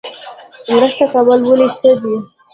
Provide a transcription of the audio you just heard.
مرسته کول ولې ښه دي؟